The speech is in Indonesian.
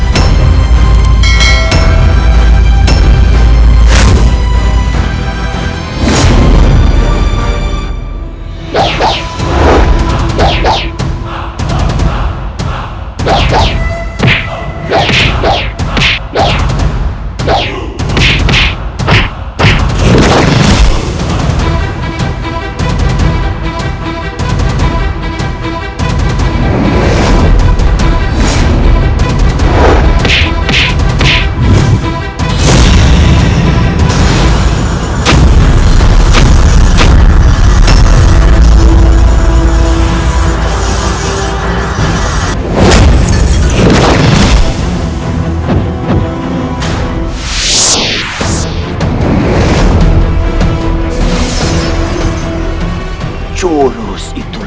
tidak ada lagi yang menghalangiku